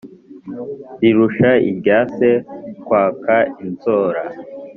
Rirusha irya se kwaka inzora.